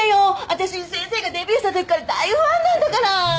私先生がデビューした時から大ファンなんだから！